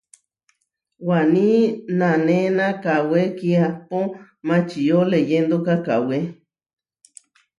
Waní nanéna kawé ki=ahpó mačiʼo leyʼendoka kawʼe.